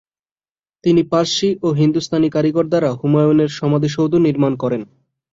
তিনি পার্সি ও হিন্দুস্তানি কারিগর দ্বারা হুমায়ূনের সমাধিসৌধ নির্মাণ করেন।